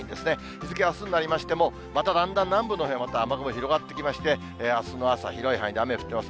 日付、あすになりましても、まただんだん南部のほうへまた雨雲広がってきまして、あすの朝、広い範囲で雨降ります。